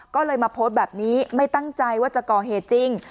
ก็เลยมาโพสต์แบบนี้ไม่ตั้งใจว่าจะก่อเหตุจริง